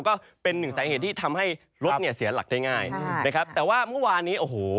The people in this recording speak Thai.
ก็เป็นหนึ่งสาเหตุที่ทำให้รถเนี่ยเสียหลักได้ง่ายนะครับแต่ว่าเมื่อวานนี้โอ้โห